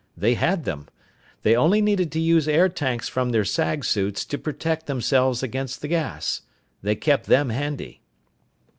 They had them. They only needed to use air tanks from their sag suits to protect themselves against the gas. They kept them handy.